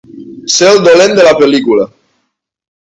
Ser el dolent de la pel·lícula.